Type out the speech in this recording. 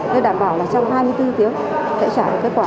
để đảm bảo là trong hai mươi bốn tiếng sẽ chạy kết quả